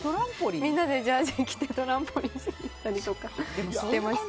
みんなでジャージー着てトランポリンしたりしてました。